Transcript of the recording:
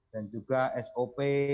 dan juga sop